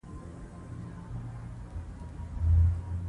د زور کارول ستونزې زیاتوي